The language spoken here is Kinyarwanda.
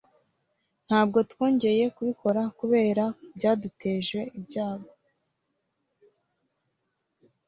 Ntabwo twongeye kubikora kubera bya duteje ibyango.